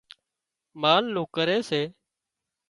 مال نُون ڪري سي